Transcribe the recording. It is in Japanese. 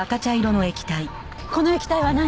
この液体は何？